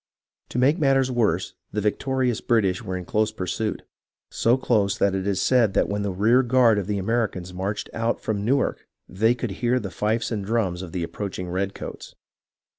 To make matters worse, the victorious British were in close pursuit, so close that it is said that when the rear guard of the Americans marched out from Newark they could hear the fifes and drums of the approaching redcoats.